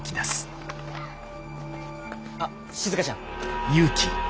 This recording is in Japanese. あっしずかちゃん。